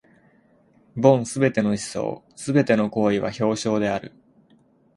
凡すべての思想凡ての行為は表象である。